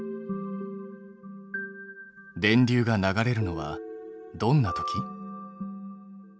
電流が流れるのはどんなとき？